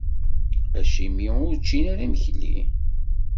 Acimi ur ččin ara imekli?